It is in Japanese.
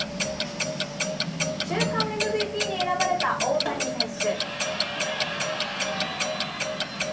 週間ＭＶＰに選ばれた大谷選手。